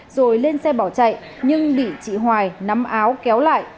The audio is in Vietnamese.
rồi lên xe bỏ chạy nhưng bị chị hoài nắm áo kéo lại